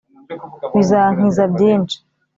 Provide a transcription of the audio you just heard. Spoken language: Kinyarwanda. bizankiza byinshi